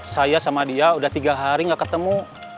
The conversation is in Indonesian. saya sama dia udah tiga hari gak ketemu